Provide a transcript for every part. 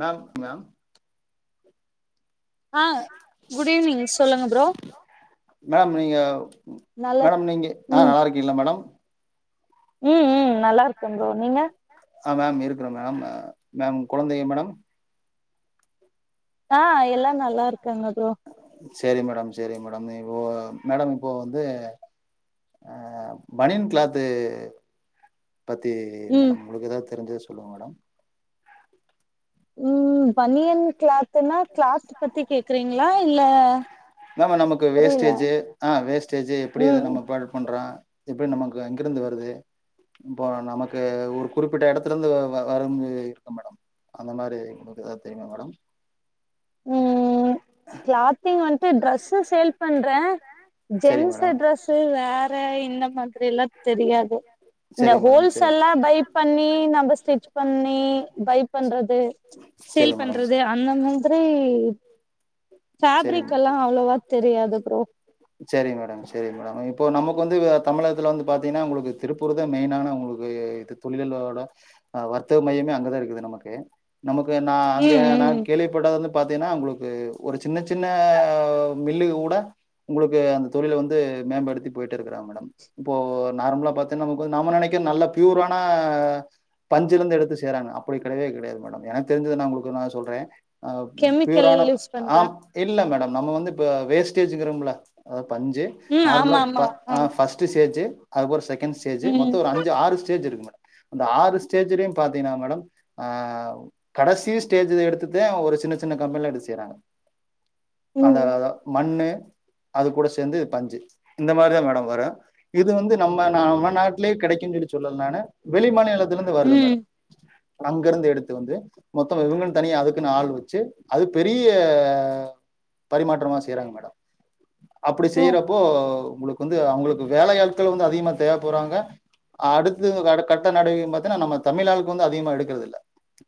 Ma'am ma'am ஆ good evening சொல்லுங்க bro ma'am நீங்க நல்லா மேடம் நீங்க ஆ நல்லா இருக்கீங்ள மேடம் உம் உம் நல்லா இருக்கே ப்ரோ நீங்க ஆ மேம் இருக்குறே மேம் மேம் கொழந்தைங்க மேடம் ஆ எல்லா நல்லா இருக்காங்க ப்ரோ சரி மேடம் சரி மேடம் நீ இ மேடம் இப்போ வந்து ஆ பனியன் கிளாத்து பத்தி ம் மேடம் உங்களுக்கு எதா தெரிஞ்ச சொல்லுங்க மேடம் உம் பன்னியன் கிளாத்துன்னா கிளாத் பத்தி கேக்குறீங்ளா இல்ல மேம் நமக்கு புரியல வேஸ்டேஜ் ஆ உம் எப்டி நமக்கு எங்கிருந்து வருது இப்போ நமக்கு ஒரு குறிப்பிட்ட எடத்துல இருந்து வரும் இருக்கு மேடம் அந்த மாரி எதாவது தெரியுமா மேடம் உம் கிளாத்திங் வந்துட்டு ட்ரெஸ்ஸு சேல் பண்றே சரி ஜென்ஸு மேடம் ட்ரெஸ்ஸு வேற இந்த மாதிரி எல்லா தெரியாது இந்த சரி மேடம் ஹோல்ஸ் சரி எல்லா பை பண்ணி நம்ம ஸ்டிச் பண்ணி பை பண்றது சேல் சரி மேடம் பண்றது அந்த மாதிரி சரி ஃவேப்ரிக் எல்லா அவ்வளவா தெரியாது ப்ரோ சரி மேடம் சரி மேடம் இப்போ நமக்கு வந்து தமிழகத்ல்ல வந்து பாத்தீங்கன்னா ஒங்களுக்கு திருப்பூர் தா மெயினான அவுங்களுக்கு இது துணிகளோட அ வர்த்தக மையமே அங்கதா இருக்குது நமக்கு நமக்கு நா அங்கே ம் நா ம் கேள்விப்படாத வந்து பாத்தீங்கன்னா ஒங்களுக்கு ஒரு சின்ன சின்ன மில்லு கூட உங்களுக்கு அந்த தொழில் வந்து மேம்படுத்தி போயிட்டு இருக்கிற மேடம் இப்போ நார்மலா பாத் நமக்கு வந்து நம்ம நெனக்க நல்ல பியூரான பஞ்சில இருந்து எடுத்து செய்றாங்க அப்டி கெடயவே கெடயாது மேடம் எனக்கு தெரிஞ்சது நா ஒங்களுக்கு நா சொல்றே அ கெமிக்கல் பியூரான யூஸ் பண்றா ஆம் இல்ல மேடம் நம்ம வந்து இப்ப வேஸ்டேஜ்ங்கிறோம்ல பஞ்சு ம் நார்மலா ஆமா ஆமா ஆம் பஸ்டு ஸ்டேஜு அதுக்கு அப்றோ ஸ்டேஜு ம் மொத்த ஒரு அஞ்சு ஆறு ஸ்டேஜு இருக்கு மேடம் அந்த ஆறு ஸ்டேஜலயும் பாத்தீங்கன்னா மேடம் ஆ கடசி ஸ்டேஜ் எடுத்துத ஒரு சின்ன சின்ன கம்பெனில எடுத்து செய்றாங்க அந்த ம் மண்ணு அது கூட சேந்து பஞ்சு இந்த மாரிதா மேடம் வரு இது வந்து நம்ம நாம நாட்லே கெடைக்குன் சொல்லி சொல்லல் நானு வெளி மாநில த்துலேந்து வருது ம் மேடம் அங்கருந்து எடுத்து வந்து மொத்தம் இவுங்கன் தனியா அதுக்குன்னு ஆள் வச்சு அது பெரிய பரிமாற்றமா செய்றாங்க மேடம் அப்புடி ஓ செய்யிறப்போ உங்ளுக் வந்து அவுங்களுக்கு வேலையாட்களு வந்து அதிகமா தேவ போறாங்க அடுத்து வர கட்ட நடவயும் பாத்தானா நம்ம தமிழாளுக்கு வந்து அதிகமாக எடுக்குறதில்ல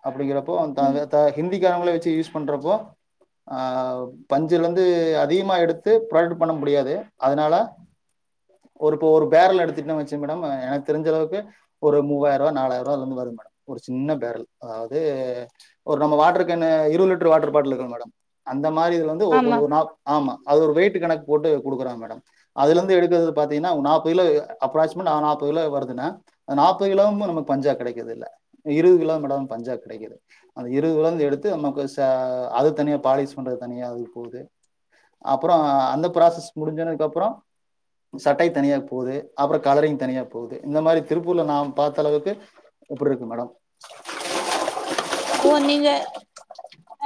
அப்புடிங்கிறப் பொ‌ ம் அந்தாந்தத்தா ஹிந்தி எ அவுங்களே வச்சு யூஸ் பண்றப்போ ஆ பஞ்சுலந்து அதிகமா எடுத்து ப்ராடட்டு பண்ண முடியாது அதுனால ஒரு பொ ஒரு பேரல் எடுத்துட்னா வச் சு மேடம் எனக் தெருஞ்ச அளவுக்கு ஒரு மூவாயருவா நாலாயருவா அதுலந்து வரு மேடம் ஒரு சின்ன பேரல் அதாது ஒரு நம்ம வாட்ரு கேனு இருவ லிட்ரு வாட்ருபாட்டில் இருக்குல் மேடம் அந் த மாரி இதுல் வந்து ஒ கொஞ்ச ஆமா ஒரு நா ஆமா அது ஒரு வெயிட்டு கணக்கு போட்டு குடுக்குறாங் மேடம் அதுலந்து எடுக்கறது பாத்தீங்கனா அவுங்க நாப்பது கில அப்ராக்ஸி ம நா நாப்பது கிலோ வருதுனா அந் நாப்பது கிலோவும நமக் பஞ்சா கெடைக்குதில்ல இருவகிலோ மட்டுதா பஞ்சா கெடைக்குது அந்த இருவகிலோந்து எடுத்து நமக்கு ச அது தனியா பாலிஸ் பண்றது தனியா அது போது அப்புறோ அந்த ப்ராசஸ் முடுஞ்சனக்கப்றோ சட்டை தனியா போது அப்ற கலரிங் தனியா போவ்து இந்த மாரி திருப்பூர்ல நா பாத்தளவுக்கு இப்புட்ருக்கு மேடம் ஓ நீங்க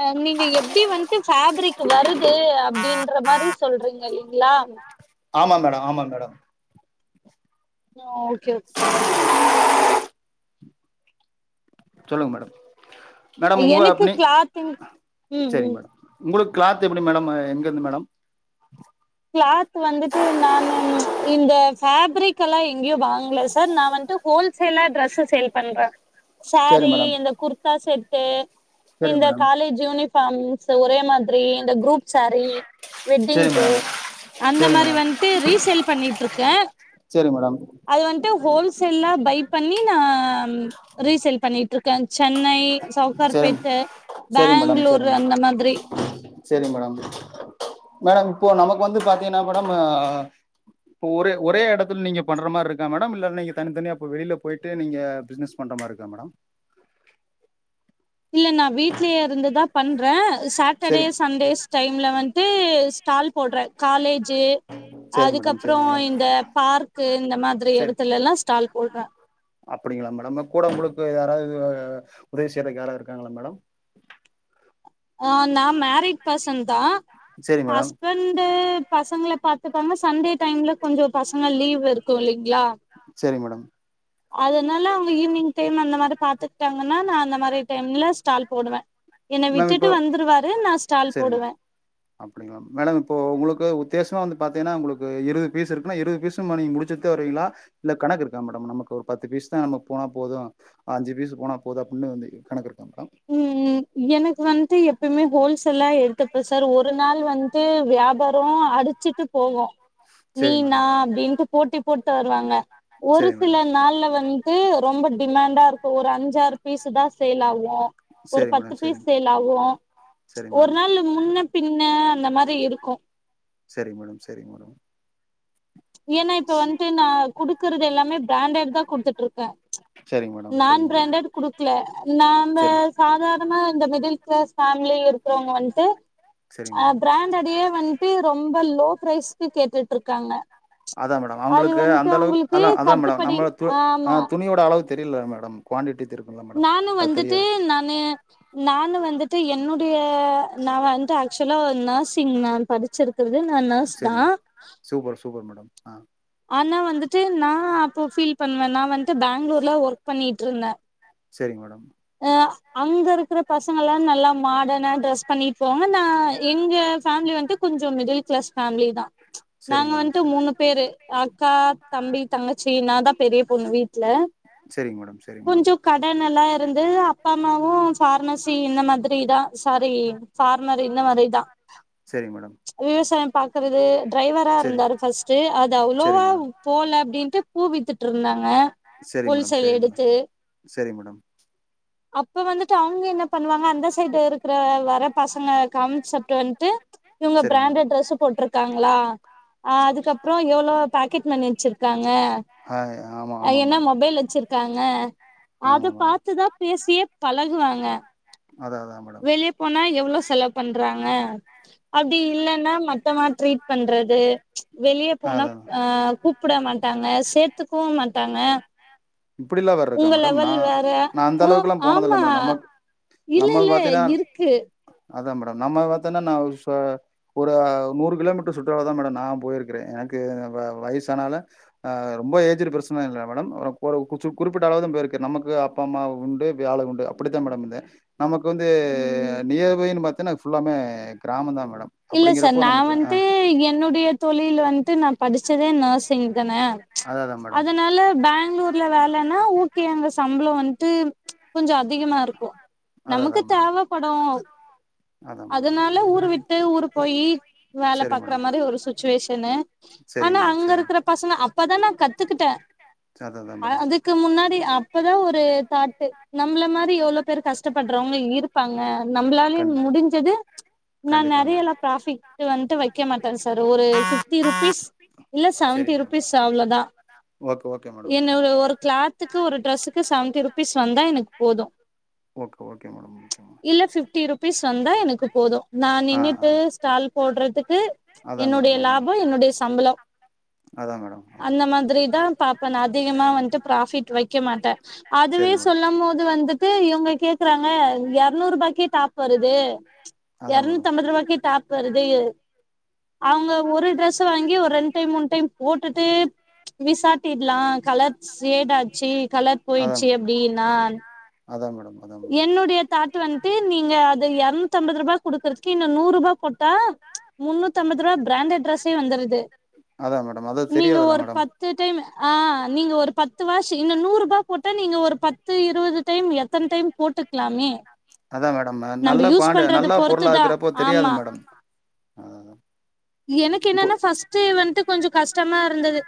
அ நீங்க எப்டி வந் து ஃபேப்ரிக்கு வருது அப்டின்ற மாரி சொல்றீங்க இல்லிங்ளா ஆமா மேட ஆமா மேடம் [unintelligible] க்கு சொல்லுங்க மேடம் மேடம் உங்கள் எனக்கு நீ கிளாத்திங் ம்‌ ம் சரிங்க மேடம் உங்களுக்கு கிளாத் எப்டி மேடம் எங்கருந்து மேடம் கிளாத் வந்துட்டு நானு இந்த ஃபேப்ரிக் எல்லா எங்யு வாங்ல சார் நா வந்ட்டு ஹோல்சேலா டிரெஸ்ஸு சேல் பண்றே சரி சாரி மேடம் இந்த குர்தா செட் டு சரி இந்த மேடம் காலேஜ் யூனி ஃபார்ம்ஸு ஒரே மாதிரி இந்த குரூப் சாரி சரி வெட்டிங்க்கு மேடம் அந்த சரி மாரி மேடம் வந்ட்டு ரீசேல் பண்ணிட்ருக்கே சரி மேடம் அது வந்ட்டு ஹோல்சேல்லா பை பண்ணி நா ரீசேல் பண்ணிட்ருக்கே சென்னை சரி சவுக்கார்பேட்டு சரிங்க மேடம் சரி பேங்ளூரு மேடம் அந்த மாதிரி சரி மேடம் மேடம் இப்போ நமக்கு வந்து பாத்தீங்கன்னா மேடம் ஆ இப்ப ஒரே ஒரே எடத்துல நீங்க பண்ற மாரி இருக்கா மேடம் இல்ல நீங்க தனித்தனி அப்ப வெளில போயிட்டு நீங்க பிஸ்னஸ் பண்ற மாரி இருக்கா மேடம் இல்ல நான் வீட்லயே இருந்துதா பண்றன் சாட்டர்டே சரி சண்டேஸ் டைம்ல வந் ஸ்டால் போடற காலேஜி சரி மேடம் சரி அதுக்கப்புறம் மேடம் இந்த பார்க்கு இந்த மாதிரி எடத்துல எல்லா ஸ்டால் போடற அப்டிங்களா மேடம் கூட உங்களுக்கு யாராவது உதவி செய்றக்கு யாராவது இருக்காங்களா மேடம் ஆ நா மேரிட் பர்சன்தா சரி மேடம் ஹஸ்பண்டு பசங்கள பாத்துப்பாங்க சண்டே டைம்ல கொஞ்ச பசங்க லீவ் இருக்கும் இல்லைங்களா செரி மேடம் அதனால அவங்க ஈவினிங் டைம் அந்த மாரி பாத்துக்கிட்டாங்கன்னா நான் அந்த மாரி டைம்ல ஸ்டால் போடுவன் என்ன விட் மேம் டுட்டு இப்போ வந்துருவாரு நா ஸ்டால் சரிங்க போடுவன் அப்டிங்களா மேடம் இப்போ உங்களுக்கு உத்தியேசம் வந்து பாத்திங்கன்னா உங்களுக்கு இருவது பீஸ் இருக்குன்னா இருவது பீஸும் அன்னிக்கு முடிச்சிட்டுதா வருவீங்களா இல்ல கணக்கு இருக்கா மேடம் நமக்கு ஒரு பத்து பீஸ் தான் நமக்கு போனா போதும் அஞ்சி பீஸ் போனா போது அப்டின்னு வந்து கணக்கு இருக் ம் எனக்கு வந்து எப் எப்பமே ஹோல்சேல்லா எடுத்துப்ப சார் ஒரு நாள் வந்து வியாபாரம் அடிச்சிட்டு போகும் நீ சேரி நா மேடம் அப்டின்ட்டு போட்டி போட் டு வருவாங்க ஒரு சேரி சில மேடம் நாள்ல வந்து டு ரொம்ப டிமாண்டா இருக்கு ஒரு அஞ்சாறு பீஸுதா சேல் ஆவும் ஒரு சேரி பத்து மேடம் சேரி பேர் சேல் ஆகு சேரி ஒரு மேடம் நாளு முன்ன பின்ன அந்த மாரி இருக்கும் செரி மேடம் செரி மேடம் ஏனா இப்ப வந்துட்டு நா குடுக் கறது எல்லாமே பிராண்டட் தா குடுத்துட்டு இருக்கே சேரிங்க மேடம் நான் சேரிங்க மேடம் பிராண்டட் குடுக்கல நாம்ப சேரி சாதாரணமா இந்த மிடில் கிளாஸ் ஃபேமிலி இருக்கிறவங்க வந்துட்டு சேரிங்க ஆ மேடம் பிராண்டடேயே வண்ட்டு ரொம்ப லோ பிரைஸ்க்கு கேட்டுட்டு இருக்காங்க அதா மேடம் அது அவுங்களுக்கு வந்துட்டு அந்தளவுக் அவங்களுக்கு அலா அதா மேடம் கட்டுப்படி நம்ப து ஆ ஆமா துணியோட அளவு தெரியில மேடம் குவாண்டிட்டி நானும் வந்துட்டு நானு நானு வந்துட் டு என்னுடைய நா வந்து ஆக்சுவலா நர்சிங் நா படிச்சிருக் கிறது நா நர்ஸ் தா சரிங்க சூப்பர் சூப்பர் மேடம் ஆ ஆனா வந்துட்டு நா அப்போ ஃபீல் பண்வே நா வந்ட்டு பேங்ளூர்ல ஒர்க் பண்ணிட்ருந்தே செரிங் மேடம் ஆ அங்க இருக்கிற பசங்கல்லா நல்லா மாடனா ட்ரஸ் பண்ணிட் போவாங்க நா எங்க ஃபேமிலி வந்துட்டு கொஞ்சோ மிடில் கிளாஸ் ஃபேமிலிதா நாங்க சரிங்க மேடம் வந்துட்டு சரி மூணு பேரு அக்கா தம்பி தங்கச்சி நாந்தா பெரிய பொண்ணு வீட்ல சரிங்க மேடம் கொஞ்சோ கடன் எல்லா இருந்துது அப்பா அம்மாவு பார்மசி இந்த மாதிரிதா சாரி ஃபார்மர் இந்த மாரிதா சரிங்க மேடம் விவசாயோ பாக்கறது டிரைவரா சரிங்க மேடம் இருந்தாரு ஃபஸ்ட்டு அது சரிங்க அவ்ளவா சரிங்க மேடம் போல அப்டின் ட்டு பூ வித்துட்ருந்தாங்க ஹோல்சேல் எடுத்து செரி மேடம் அப்ப வந்துட்டு அவங்க என்ன பண்ணுவாங்க அந்த சைடு இருக்குற வர பசங்க கான்செப்ட்டு வந்ட்டு இவங்க சரிங்க மேடம் பிராண்டட் ட்ரெஸ் போட்ருக்காங்களா அதுக்கப்றோ எவ்ளோ பாக்கெட் மணி வச்சிருக்காங்க ஆ ஆமா அ ஆமா என்ன மேடம் மொபைல் வச்சிரு க்காங்க அது ஆமா மேடம் பாத்துதா பேசியே பழகுவாங்க அதா அதா மேடம் வெளிய போனா எவ்ளோ செலவு பண்றாங்க அப்டி இல்லன்னா மட்டமா ட்ரீட் பண்றது வெளிய போனா அதா ஆ கூ ப்ட மாட்டாங்க சேத்துக்கவு மாட்டாங்க உங்க லெவல் வேற இந்த ஓ அளவுக்கெல்லா போனதில்ல ஆமா மேடம் நமக் இல்ல நம்ம இல்ல பாத்தீன்னா இருக்கு அதா மேடம் நம்ம பாத்தோன்னா நா ஒரு சா ஒரு நூறு கிலோமீட்ரு சுற்றளவுதா மேடம் நா போயிருக்குறே எனக்கு வ வயசானால ஆ ரொம்ப ஏஜ்டு பெர்சனா இல்ல மேடம் ஆ பொறவு குர்ச்சு குறிப்பிட்ட அளவுதா போயிருக்கற நமக்கு அப்பா அம்மா உண்டு வேல உண்டு அப்பிடித்தா மேடம் இருந்தே நமக்கு வந்து ம் நியர்பைன்னு பாத் தன்னா ஃபுல்லாமே கிராமந்தா மேடம் இல்ல சார் அப்டிங்கிறப்போ நா நமக்கு ஆ வந்ட்டு என்னுடைய தொழில் வந்ட்டு நா படிச்சதே நர்சிங் தான அதா அதா மேடம் அதனால பேங் ளூருல வேலைன்னா ஓகே அங்க சம்ப்ளோ வந்ட்டு கொஞ்சோ அ திகமா இருக்கு அதா அதா நமக்கு மேடம் தேவப்படு அதா மேடம் அதனால ஊர விட் டு ஊரு போயி வேல சரி பாக்கற மேடம் மாதிரி ஒரு சுச் சிட்சுவேஷனு சரிங்க ஆனா மேடம் அங்க சரிங்க இருக்குற பசங்க அப்பதா நா கத் கத்துக்கிட்ட அதா அதா அ மேடம் அதுக்கு முன்னாடி அப்பதா ஒரு தாட்டு நம்மள மாரி எவ்ளோ பேரு கஷ்டப்படுறவங்க இருப்பாங்க நம்மளால கண் முடிஞ்சது நா கண்டிப்பா மேடம் நெறயல்லா ப்ராபிக்ட் வன்டு வைக் வக்க மட்டே சார் ஒரு பிப்டி ருபீஸ் இல்ல சரி செவன்டி மேடம் ருபீஸ் அவ்ளோ தா ஓகே ஓகே மேடம் என்ன கிளாத்துக்கு ஒரு ட்ரெஸ்க்கு செவன் ஃபிப்டி ருபீஸ் வந்தா எனக்கு போது okay okay madam okay madam rupees வந்தா எனக்கு போது நான் ஆ நின்னுட்டு ஆ ஸ்டால் போடுறதுக்கு அதா என்னுடைய மேடம் அதா லாபோ என்னுடைய சம்பளோ அதா மேடம் அதா அந்த மாதிரி தா பாபே நா அதிகமா வந்துட்டு ப்ராஃபிட் வை வக்க மாட்டே அதுவே சரிங்க மேடம் சொல்லும் போது வந்துட்டு இவுங்க கே விக்குறாங்க எரநூறு ரூபாய்க்கே டாப் வருது அதா மேடம் இரனுத்தி அம்பது ரூபாய்க்கே டாப். வருது அவுங்க ஒரு ட்ரெஸ் வாங்கி ஒரு ரெண்டு டைம் மூனு டைம் போட்டுட்டு விசாட்டில்லா கலர் சேடாச்சு கலர் அதா போயிச்சு அப்டின்னா அதா மேடம் அதா மேடம் என்னுடைய தாட்டு வந்துட்டு நீங்க அது இரநூத்து அம்பது ரூபா குடுக்குறதுக்கு இன்னு நூறு ரூபா போட்டா முன்னூத்தி அம்பது ரூபா பிராண்டட் ட்ரெஸ்ஸே வந்துருது அதா மேடம் அது நீங்க தெரியாதுல்ல ஒரு மேடம் பத்து டைம் ஆ நீங்க ஒரு பத்து வாஷ் இன்னு நூறு ரூபா போட்ட நீங்க ஒரு பத்து இருபது டைம் எத்தன டைம் போட்டுக்கலாமே அதா மேடம் நம்ம நல்ல யூஸ் குவாண்டி பண்றத நல்லா பொருளா பொறுத்துதா இருக்கிறப்போ தெரியாது ஆமா மேடம் அதா எனக்கு இப்போ என்னன்னா பஸ்ட்டு வந்துட்டு கொஞ்சோ கஷ்ட கஷ்டமா இருந்தது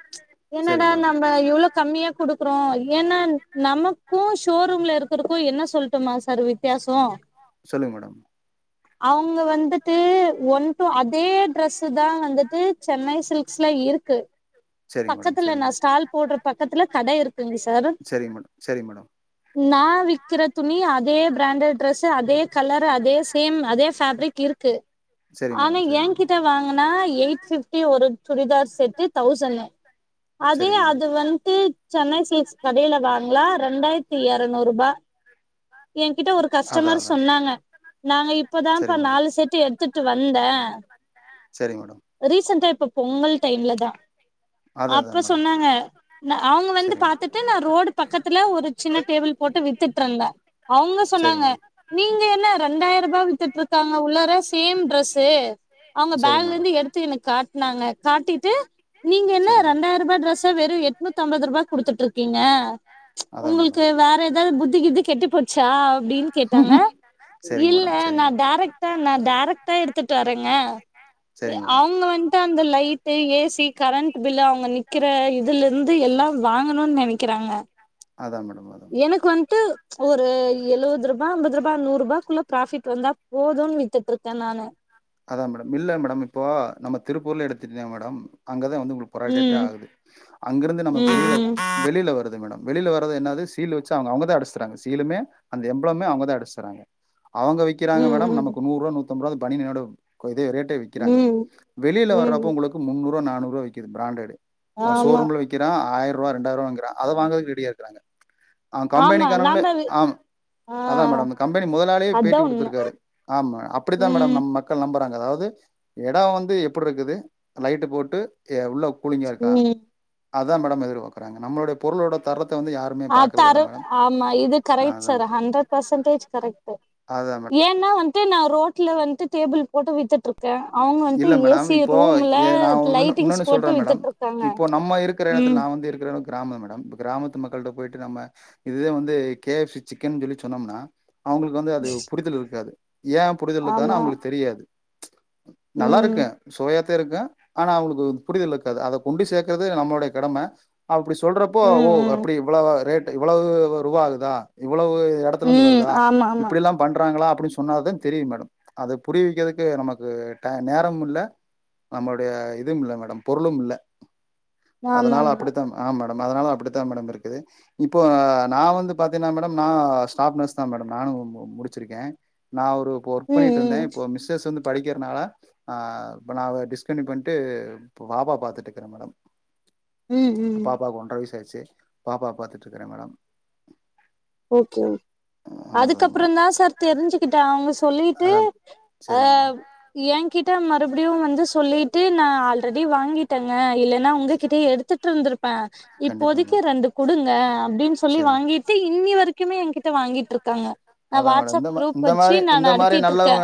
என்னடா செரிங்க மேடம் நம்ம இவ்வளோ கம்மியா குடுக்குறோ ஏன்னா நமக்கும் ஷோரூம்ல இருக் கும் என்ன சொல்லட்டுமா சார் வித்தியாசம் சொல்லுங்க மேடம் அவுங்க வந்துட்டு ஒன் டு அதே ட்ரெஸ் தான் வந்துட்டு சென்னை சில்ஸ்ல இருக்கு செரிங்க மேடம் பக்கத்துல நா ஸ்டால் போடுற பக்கத்துல கடை இருக் சரிங் மேடம் சரி மேடம் நா விக்கிற துணி அதே பிராண்டட் ட்ரெஸ் அதே கலர் அதே சேம் அதே பேப்ரிக் இருக்கு சரி ஆனா மேடம் சரி ஏ மேடம் கிட்ட வாங்கினா எயிட் பிப்டி ஒரு சுடிதார் செட்டு தௌசன்னு அதே சரி மேடம் அது வந்துன்டு சென்னை சில்க் கடேல வாங்ளா ரெண்டாயரத்தி எரநூறு ரூபா ஏங்கிட்ட ஒரு அதா கஸ்டமர் அதா சொன்னாங்க நாங்க சரி இப்பதான்பா மேடம் நாலு செட்டு எடுத்துட் ட்டு வந்தே சரி மேடம் ரீசெண்டா இப்ப பொங்கல் டைம்ல தான் அதா அதா அப்ப மேடம் சொன்னாங்க நா அவுங்க வந்து சரி மேடம் பாத்துட்டு நா ரோடு பக்கத்துல ஒரு சின்ன டேபிள் போட்டு வித் துட்டுருந்தேன் அவுங்க சரி சொன்னாங்க மேடம் நீங்க என்ன ரெண்டாய ரூபா வித்துட்டு இருக்காங்க உள்ளார சேம் டிரஸ் அவுங்க சரி பேக்ல மேடம் இருந்து எடுத்து எனக் காட்னாங்க காட்டிட்டு நீங் என்ன சரி ரெண்டாயர் ரூபா டிரெஸ்ச வெறும் எட்நூத்தம்பது ரூபா குடுத்துட்டு இருக்கீங்க அதா மேடம் உங்களுக்கு வேற ஏதாவது புத் புத்தி கீது கெட்டுப் போச்சா அப்டின்னு கேட்டாங்க செரிங்க இல்ல மேடம் செரிங்க நா மேடம் டெரக்டா டெரக்டா எடுத்துட்டு வரேங்க செரிங்க மேடம் அவுங்க வந் டு அந்த லை to A C current bill அவுங்க நிக்கிற இதுல இருந்து எல்லா வாங்கணு நினக்கிறாங்க அதா மேடம் அதா எனக்கு வந் டு ஒரு எழுபது ரூபா அம்பது ரூபா நூறு ரூபாகுள்ள ப்ராபிட் வந்தா போதுன்னு வித்துட்டு இருக்கே நானு அதான் மேடம் இல்ல மேடம் இப்போ நம்ம திருப்பூர்ல எடுத்துகிட்டினா மேடம் அங்க வந்து உங்களுக்கு புரடட்டே ம் ஆகுது அங்கிருந்து நமக்கு ம் வெளில ம் வெளில வருது மேடம் வெளில வரது என்னாது சீல்வச்சி அவுங்கதான் அடச்சி தாரங்க சீலுமே அந்த எப்ளாமே அவுங்க தான் அடச்சி தராங்க அவுங்க விக்கிறங்க மேடம் ம் ம் நமக்கு நூறுபா நூத் தம்பது ரூபா அந்த பனியனோட த்தே ரேட்டே விக்கிறாங்க ம் வெளியில ம் வர்றப்ப உங்களுக்கு முன்னூறு ரூவா நானூறு நூறுரூவா விக்குது பிராண்டடு ஆமா ஷோரூம்ல விக்கிறா ஆயி றுவா ரெண்டாயிரூவாங்கிறா அத வாங்கக் ரெடியா இருக்காங்க ஆ ஆமா கம்பெனிகாரங்களே நாம ஆ ஆ அதா மேடம் கம்பெனி முதலாளியே அதா பேட்டி உண்ம கொடுத்திருக்காரு ஆம் அப்பிடித்தா மேடம் ம் நம் மக் நம்பறாங்க அதாவது எடோ வந்து எப்பிடிருக்குது லைட் போட்டு எ உள்ள கூழிங்க இருக்கா ம் அதா மேடம் எதிர்பாக்குறாங்க நம்ளுட பொருளோட தரத் ஆத்தாரு ஆமா இது கரெக்ட் அதா சார் ஹண்டர் பர்சன்டேஜ் கரெக்ட் அதா மேடம் ஏன்னா வ ட் நா ரோட்ல வந்து டேபிள் போட்டு வித்துட்ரு இல்ல மேடம் இப்போ எ நா ஒன்னுனு லைட்டிங்ஸ் இன்னொன்னு சொல்றே போட்டு மேடம் வித்துட்டு இருக்காங்க இப்போ நம்ம இருக்கிற எடத்துல ம் நா வந்து இருக்கிற அளவுக் கிராமம் மேடம் கிராமத்து மக்கள்ட்ட போயிட்டு நம்ம இதுதா வந்து கே எஃப்சி சிக்கன் சொல்லி சொன்னோம்னா அவுங்களுக்கு வந்து அது புரிதல் இருக்காது ஏ புரிதல் இருக்காதுனா ஆமா அவுங்களுக்கு தெரியாது நல்லா ம் இருக்கே சோயாதா த் இருக்கு ஆனா அவுளுக்கு புரிதல் இருக்காது அத கொண்டு சேர்க்கது நம்முடைய கடம அப்பிடி சொல்றப்போ ஓ ம் ம் அப்பிடி இவ்ளவா ரேட் இவ்வளவு ரூவா ஆகுதா இ இவ்வளவு எடத்துல இருந்து ம் வருதா ஆமா ஆமா இப்பிடில்லா பண்றாங்களா ப்புடி சொன்னாதா தெரியு மேடம் அத புரிவிக்கிறதுக்கு நமக் ஒரு டை நேரம் இல்ல நம்மளுடைய இதுவு இல்ல மேடம் பொருளும் இல்ல ஆமா அதனால ஆமா அப்பிடித்தா ஆ மே நம்ம அதனால அப்பிடித்தா மேடம் இருக்குது இப்போ நா வந்து பாத்திங்கனா மேடம் தா ஸ்டாப் நர்ஸ் தா மேடம் நானு முடிச்சிருக்கே நா ஒ ஒரு இப்ப ஒர்க் ம் பண்ணிட்டு இருந்த ம் இப்போ மிசஸ் வந் படிக்கிறனால நா இப்ப நா டிஸ்கன்யு பண்ணிட்டு இப்ப பாபா பாத்துட்டு இருக்கறே மேடம் ம் ம் பாப்பா ஒன்ற வயஸ் அ சேரி பாப்பா பாத்துட்டு இருக்கறே மேடம் ஓகே அதான் மேடம். அதுக்கப்புறோதா சார் தெரிஞ்சிக்கிட்டே அவுங்க ஆ சொல்லிட்டு அ சரிங்க மேடம். ஏ கிட்ட மறுபிடியு வந்து சொல்லிட்டு நா ஆல்ரெடி வாங்கிட்டே ங்க இல்லைன்னா சரி. உங்ககிட்ட எடுத்துட்டு இருந்திருப்பே கண்டிப்பா இப்போதிக்கு மேடம். ரெண்டு குடுங்க அப்பிடின் சொல்லி சரிங்க. வாங்கிட்டு இன்னி வரைக்குமே எங்க்கிட்ட வாங்கிட்ரு க்காங்க நா அதான் மேடம். வாட்ஸ்அப் இந்த மா குரூப் இந்த வச்சி மாரி நா இந்த மாரி நல்லவங்க நடத்திட்ருக்கே